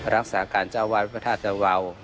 รักษาการเจ้าวาดพระธาตุตะวาว